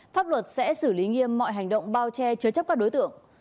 pháp luật sẽ xử lý nghiêm mọi hành động bao che chứa chấp các đối tượng